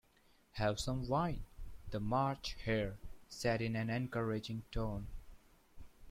‘Have some wine,’ the March Hare said in an encouraging tone.